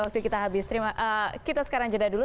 waktu kita habis kita sekarang jeda dulu